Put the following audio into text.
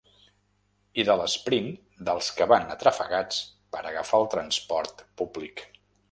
I de l’esprint dels que van atrafegats per agafar el transport públic.